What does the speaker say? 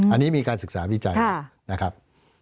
อันนี้มีการศึกษาวิจัยนะครับ